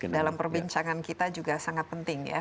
dalam perbincangan kita juga sangat penting ya